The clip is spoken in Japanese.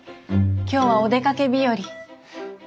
今日はお出かけ日和。